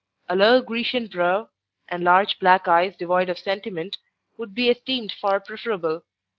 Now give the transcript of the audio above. —a low Grecian brow, and large black eyes devoid of sentiment would be esteemed far preferable.